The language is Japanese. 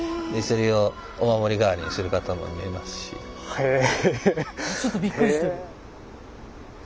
へえ。